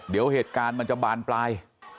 เดี๋ยวเหตุการณ์มันจะบานปลาย